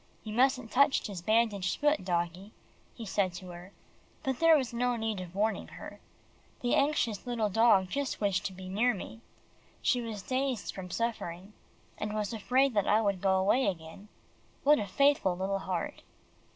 "You mustn't touch his bandaged feet, doggie," he said to her, but there was no need of warning her. The anxious little dog just wished to be near me. She was dazed from suffering, and was afraid that I would go away again. What a faithful little heart!